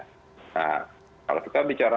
kalau kita bicara